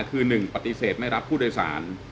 คือ๑ปฏิเสธไม่รับผู้โดยสาร